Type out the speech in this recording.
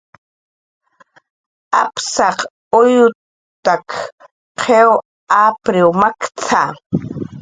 "Apsaq uyutak qiw apriw makt""a"